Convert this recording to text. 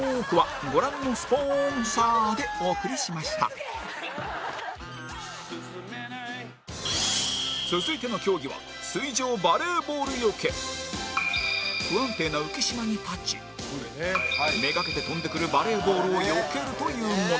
サントリー続いての競技は不安定な浮き島に立ち目がけて飛んでくるバレーボールをよけるというもの